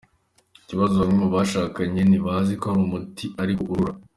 Ikibazo bamwe mu bashakanye ntibazi ko ari umuti ariko urura.